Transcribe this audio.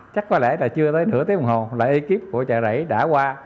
chắc có lẽ là chưa tới nửa tiếng đồng hồ là ekip của chợ rẫy đã qua